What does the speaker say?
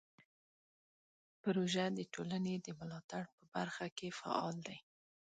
پروژه د ټولنې د ملاتړ په برخه کې فعال دی.